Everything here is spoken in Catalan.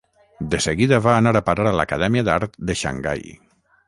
De seguida va anar a parar a l'Acadèmia d'Art de Xangai.